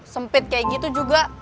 sempit kayak gitu juga